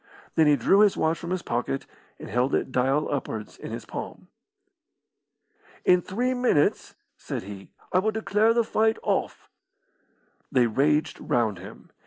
Then he drew his watch from his pocket and held it dial upwards in his palm. "In three minutes," said he, "I will declare the fight off." They raged round him.